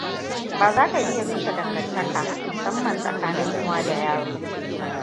Baza ka iya rushe dangantaka musamma tsakanin uwa da yaro.